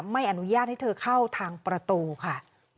ไม่อนุญาตให้เธอเข้าทางประตูค่ะ